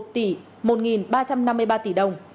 một tỷ một ba trăm năm mươi ba tỷ đồng